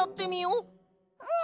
うん！